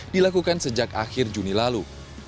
dilakukan sejak akhir juni lalu